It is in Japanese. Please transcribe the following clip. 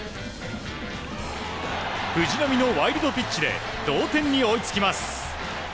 藤浪のワイルドピッチで同点に追いつきます。